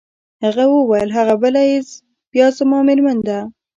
هغه وویل: هغه بله يې بیا زما مېرمن ده.